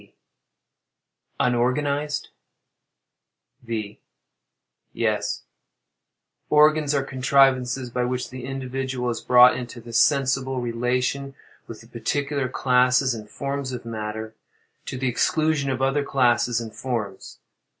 P. Unorganized? V. Yes; organs are contrivances by which the individual is brought into sensible relation with particular classes and forms of matter, to the exclusion of other classes and forms.